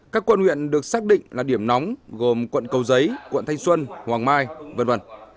các quận huyện được xác định là điểm nóng gồm quận cầu giấy quận thanh xuân hoàng mai v v